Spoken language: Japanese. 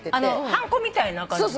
はんこみたいな感じで？